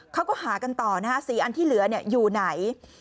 เขาก็หากันต่อนะฮะ๔อันที่เหลืออยู่ไหน